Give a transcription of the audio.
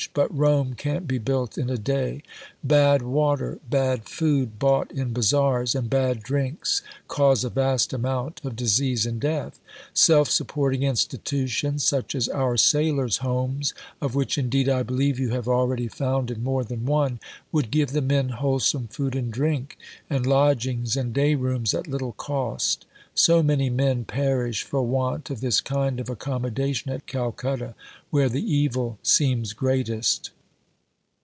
But Rome can't be built in a day. Bad water, bad food bought in Bazaars, and bad drinks cause a vast amount of disease and death. Self supporting Institutions, such as our Sailors' Homes (of which, indeed, I believe you have already founded more than one), would give the men wholesome food and drink, and lodgings and day rooms at little cost. So many men perish for want of this kind of accommodation at Calcutta, where the evil seems greatest.